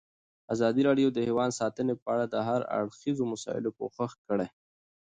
ازادي راډیو د حیوان ساتنه په اړه د هر اړخیزو مسایلو پوښښ کړی.